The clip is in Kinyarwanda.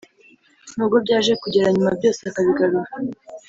nubwo byaje kugera nyuma byose akabigarura.”